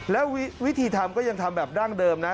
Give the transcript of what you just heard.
แล้ววิธีทำก็ยังทำแบบดั้งเดิมนะ